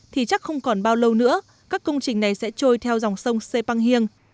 thì chắc không còn bao lâu nữa các công trình này sẽ trôi theo dòng sông sê păng hiêng